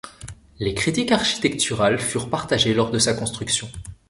Les critiques architecturale furent partagées lors de sa construction.